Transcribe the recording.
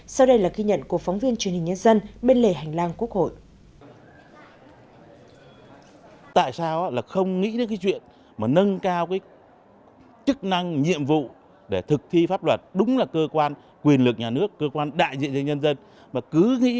sau đây là ghi nhận của phóng viên truyền hình nhân dân bên lề hành lang quốc hội